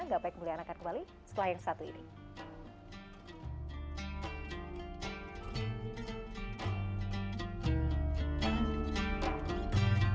tidak baik melihatnya kembali setelah yang satu ini